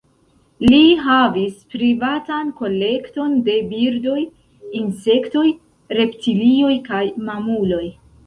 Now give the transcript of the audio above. Li havis privatan kolekton de birdoj, insektoj, reptilioj kaj mamuloj.